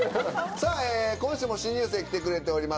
さぁ今週も新入生来てくれております。